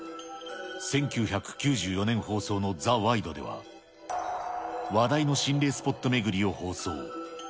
１９９４年放送のザ・ワイドでは、話題の心霊スポット巡りを放送。